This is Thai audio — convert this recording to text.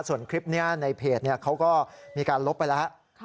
ส่วนคลิปนี้ในเพจเขาก็มีการลบไปแล้ว